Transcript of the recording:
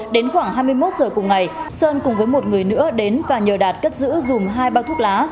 đến khoảng hai mươi một giờ cùng ngày sơn cùng với một người nữa đến và nhờ đạt cất giữ gồm hai bao thuốc lá